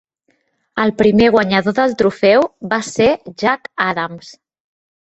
El primer guanyador del trofeu va ser Jack Adams.